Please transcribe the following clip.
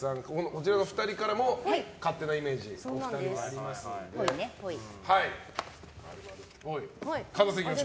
こちらの２人からも勝手なイメージ聞いていきます。